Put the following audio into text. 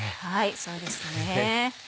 そうですね。